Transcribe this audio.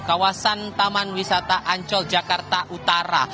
kawasan taman wisata ancol jakarta utara